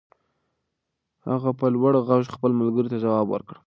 هغه په لوړ غږ خپل ملګري ته ځواب ور کړ.